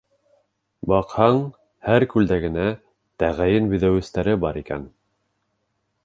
Баҡһаң, һәр күлдәгенә тәғәйен биҙәүестәре бар икән.